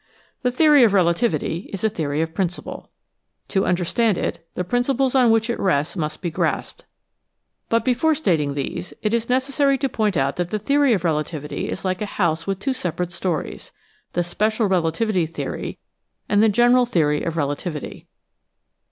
The theory of relativity is a theory of principle. To understand it, the principles on which it rests must be grasped. But before stating these it is necessary to point out that the theory of relativity is like a house with two separate stories, the special relativity theory and the gen eral theory of relativity.